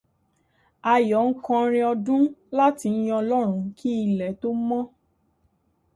Ayọ̀ ń kọrin ọdún láti yin ọlọ́run kí ilẹ̀ tó mọ́